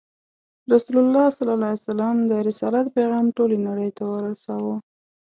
رسول الله د رسالت پیغام ټولې نړۍ ته ورساوه.